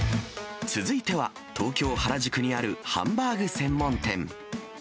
続いては、東京・原宿にあるハンバーグ専門店。